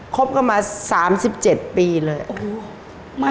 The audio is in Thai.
ครบมา๓๗ปีเลย